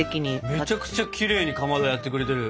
めちゃくちゃきれいにかまどやってくれてる。